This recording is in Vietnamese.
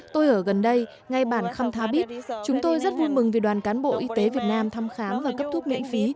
tôi ở gần đây ngay bản khăm tha bít chúng tôi rất vui mừng vì đoàn cán bộ y tế việt nam thăm khám và cấp thuốc miễn phí